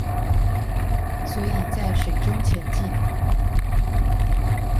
所以在水中前進